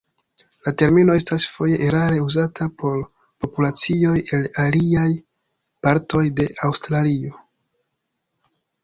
La termino estas foje erare uzata por populacioj el aliaj partoj de Aŭstralio.